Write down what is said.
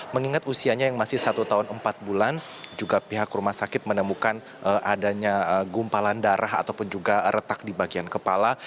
mengingat usianya yang masih satu tahun empat bulan juga pihak rumah sakit menemukan adanya gumpalan darah ataupun juga retak di bagian kepala